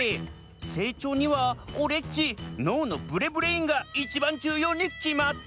成長にはおれっち脳のブレブレインがいちばんじゅうようにきまってるじゃん！